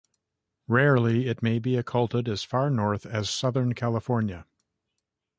Rarely, it may be occulted as far north as southern California.